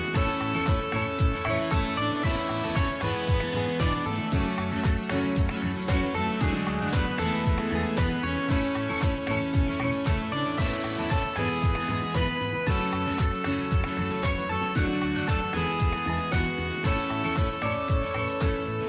สวัสดีครับ